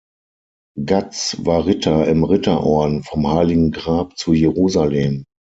Gatz war Ritter im Ritterorden vom Heiligen Grab zu Jerusalem.